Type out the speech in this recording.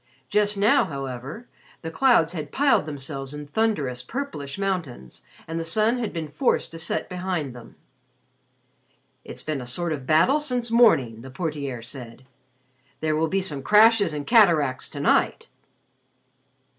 Just now, however, the clouds had piled themselves in thunderous, purplish mountains, and the sun had been forced to set behind them. "It's been a sort of battle since morning," the ___portier___ said. "There will be some crashes and cataracts to night."